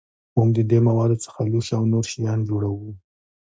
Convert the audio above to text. موږ د دې موادو څخه لوښي او نور شیان جوړوو.